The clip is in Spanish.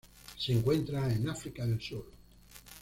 Se encuentran en África del Sur.